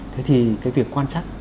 thế thì cái việc quan sát